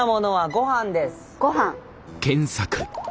ごはん。